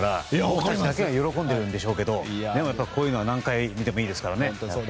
ご家族は喜んでいるんでしょうけどこういうのは何回見てもいいですからね。